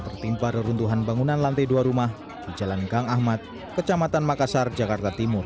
tertimpa reruntuhan bangunan lantai dua rumah di jalan gang ahmad kecamatan makassar jakarta timur